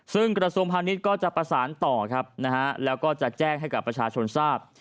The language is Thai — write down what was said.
ซึ่งกระทรวงพาณิชย์ก็จะประสานต่อครับนะฮะแล้วก็จะแจ้งให้กับประชาชนทราบ